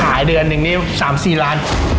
ถ่ายเดือนถึงนี้๓๔ล้าน